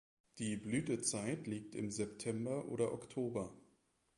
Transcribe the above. Die Blütezeit liegt im September oder Oktober.